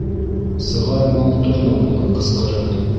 Сығар мал торна булып ҡысҡырыр.